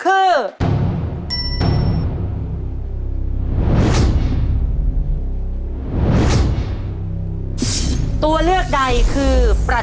ขอเชิญแสงเดือนมาต่อชีวิต